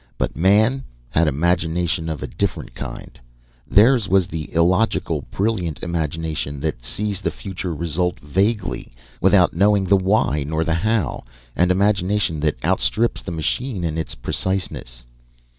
But Man had imagination of a different kind, theirs was the illogical, brilliant imagination that sees the future result vaguely, without knowing the why, nor the how, and imagination that outstrips the machine in its preciseness.